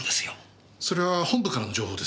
それは本部からの情報です。